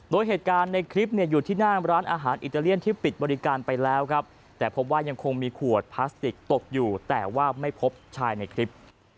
โดยเหตุการณ์ในคลิปเนี่ยอยู่ที่หน้าร้านอาหารอิตาเลียนที่ปิดบริการไปแล้วครับแต่พบว่ายังคงมีขวดพลาสติกตกอยู่แต่ว่าไม่พบชายในคลิป